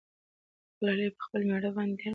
ګلالۍ په خپل مېړه باندې ډېر باوري وه.